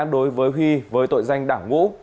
đối với huy với tội danh đảo ngũ